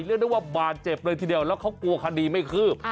เรียกได้ว่าบาดเจ็บเลยทีเดียวแล้วเขากลัวคดีไม่คืบ